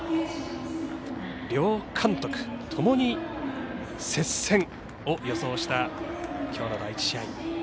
両監督ともに接戦を予想したきょうの第１試合。